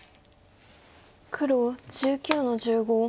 黒１９の十五ハネ。